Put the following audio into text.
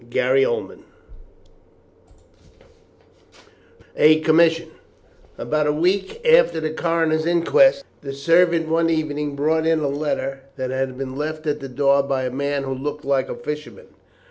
CHAPTER VI A COMMISSION About a week after the coroner's inquest, the servant one evening brought in a letter that had been left at the door by a man who looked like a fisherman.